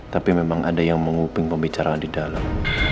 tapi memang ada yang menguping pembicaraan di dalam